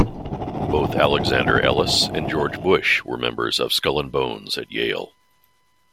Both Alexander Ellis and George Bush were members of Skull and Bones at Yale.